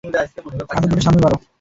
আরো জোটে সামনে বাড়ো!